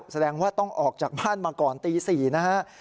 แสดงว่าต้องออกจากบ้านมาก่อนตี๔นะฮะ